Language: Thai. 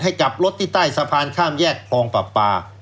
กลับรถที่ใต้สะพานข้ามแยกคลองปรับปลา